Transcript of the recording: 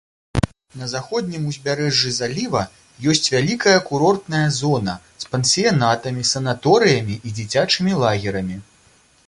На заходнім узбярэжжы заліва ёсць вялікая курортная зона з пансіянатамі, санаторыямі і дзіцячымі лагерамі.